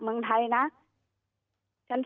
เจ้าหน้าที่แรงงานของไต้หวันบอก